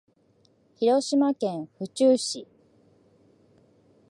広島県府中市